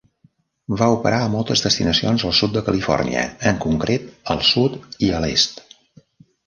Va operar a moltes destinacions al sud de Califòrnia, en concret al sud i a l'est.